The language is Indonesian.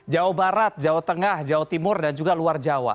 jawa barat jawa tengah jawa timur dan juga luar jawa